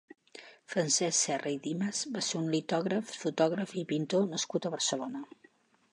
Francesc Serra i Dimas va ser un litògraf, fotògraf i pintor nascut a Barcelona.